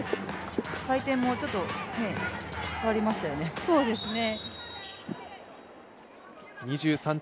回転もちょっと変わりましたよね。